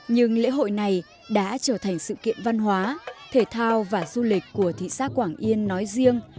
nhưng lễ hội này đã trở thành sự kiện văn hóa thể thao và du lịch của thị xã quảng yên nói riêng